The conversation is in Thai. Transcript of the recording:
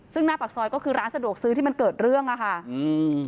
ซึ่งหน้าปากซอยก็คือร้านสะดวกซื้อที่มันเกิดเรื่องอ่ะค่ะอืม